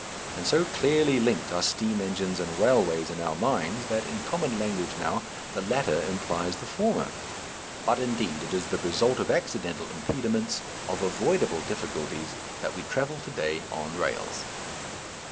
And so clearly linked are steam engines and railways in our minds that, in common language now, the latter implies the former. But indeed it is the result of accidental impediments, of avoidable difficulties that we travel to day on rails.